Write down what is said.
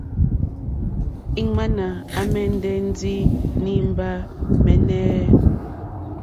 Ìŋmánà à mɛ̀ndɛ́ ndí nìbâ mɛ́ɛ́nɛ́.